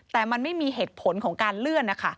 แต่มันไม่มีเหตุผลของการเลื่อนนะคะ